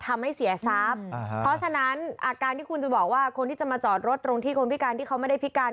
เพราะฉะนั้นอาการที่คุณจะบอกว่าคนที่จะมาจอดรถตรงที่คนพิการที่เขาไม่ได้พิการ